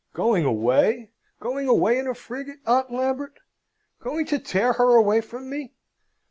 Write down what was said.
"Going away? Going away in a frigate, Aunt Lambert? Going to tear her away from me?